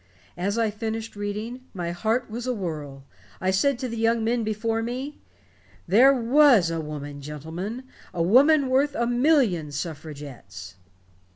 As I finished reading, my heart was awhirl. I said to the young men before me: "'There was a woman, gentlemen a woman worth a million suffragettes.'